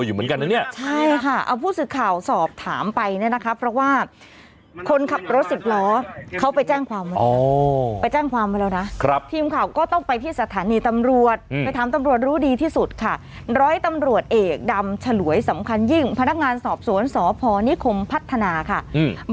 อยู่ที่บริการอน่าเลยทำรวจไปถามตำรวจรู้ดีที่สุดค่ะร้อยตำรวจเอกดำฉะโหหหวยสำคัญยิ่งพนักงานสอบสวนสภนิคมพัฒนาค่ะอืม